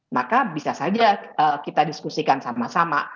maka bisa saja kita diskusikan sama sama